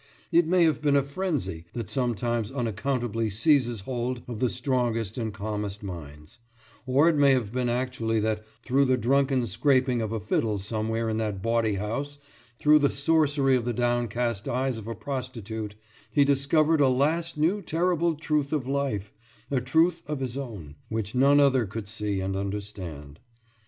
It may have been a frenzy that sometimes unaccountably seizes hold of the strongest and calmest minds; or it may have been actually that, through the drunken scraping of a fiddle somewhere in that bawdy house, through the sorcery of the downcast eyes of a prostitute, he discovered a last new terrible truth of life, a truth of his own, which none other could see and understand.